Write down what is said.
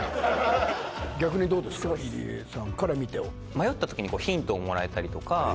迷った時にこうヒントをもらえたりとか。